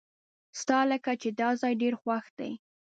ستالکه چې داځای ډیر خوښ دی .